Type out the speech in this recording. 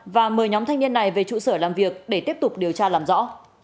và mời nhóm thanh niên này về trụ sở làm việc để tiếp tục điều tra làm rõ